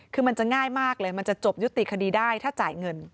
คือมันจะง่ายมากเลยมันจะจบยุติคดีได้ถ้าจ่ายเงิน